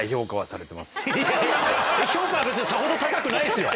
いやいや評価は別にさほど高くないですよ！